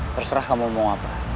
terserah kamu mau apa